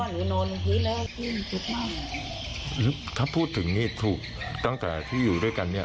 หนูสักครั้งหนูก็วิ่งออกมาพี่